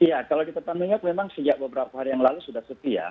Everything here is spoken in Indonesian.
iya kalau di kota new york memang sejak beberapa hari yang lalu sudah sepi ya